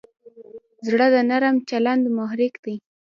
زړه د نرم چلند محرک دی.